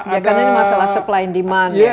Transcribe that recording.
ya karena ini masalah supply and demand